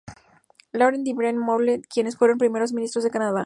Laurent y Brian Mulroney, quienes fueron primeros ministros de Canadá.